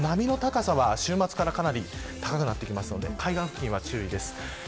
波の高さは、週末からかなり高くなってきますので海岸付近には注意です。